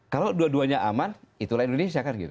kalau dua duanya aman itulah indonesia kan gitu